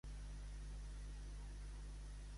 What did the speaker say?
Parament de pedra amb posterior emblanquinada.